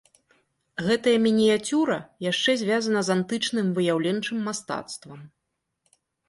Гэтая мініяцюра яшчэ звязана з антычным выяўленчым мастацтвам.